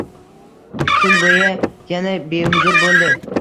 Tun bo‘yi yana behuzur bo‘ldi